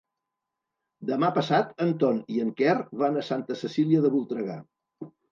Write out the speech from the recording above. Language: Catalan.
Demà passat en Ton i en Quer van a Santa Cecília de Voltregà.